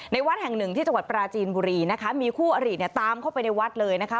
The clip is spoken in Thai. วัดแห่งหนึ่งที่จังหวัดปราจีนบุรีนะคะมีคู่อริเนี่ยตามเข้าไปในวัดเลยนะคะ